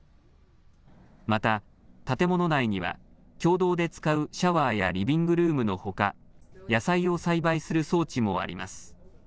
また建物内には共同で使うシャワーやリビングルームのほか野菜を栽培する装置もあります。